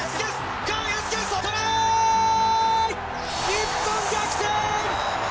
日本逆転！